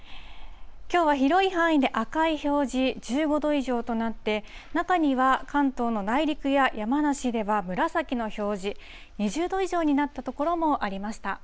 きょうは広い範囲で赤い表示、１５度以上となって、中には、関東の内陸や、山梨では紫の表示、２０度以上になった所もありました。